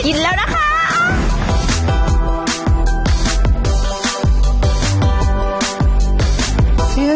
กินแล้วนะคะ